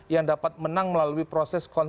yang dapat menang melalui proses